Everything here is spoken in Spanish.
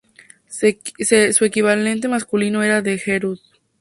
Su equivalente masculino era el hereu.